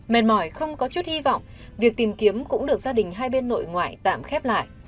mệt mỏi không có chút hy vọng việc tìm kiếm cũng được gia đình hai bên nội ngoại tạm khép lại